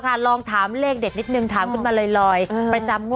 แล้วถ้ามันออก๙๕มันไม่ออก๙๘